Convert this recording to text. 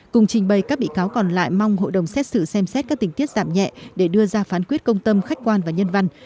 cùng trình bày các bị cáo còn lại mong hội đồng xét xử xem xét các tình tiết giảm nhẹ để đưa ra phán quyết công tâm khách quan và nhân văn